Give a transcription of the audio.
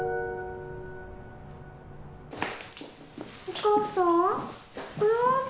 お母さん？